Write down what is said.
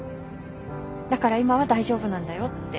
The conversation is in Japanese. だから今は大丈夫なんだよって。